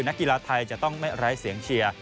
นักกีฬาไทยจะต้องไม่ไร้เสียงเชียร์